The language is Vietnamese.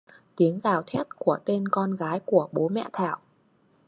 Tiếng gào thét của tên con gái của bố mẹ Thảo